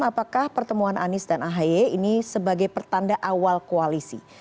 apakah pertemuan anies dan ahy ini sebagai pertanda awal koalisi